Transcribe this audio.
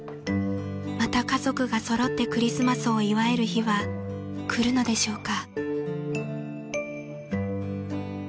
また家族が揃ってクリスマスを祝える日は来るのでしょうか？］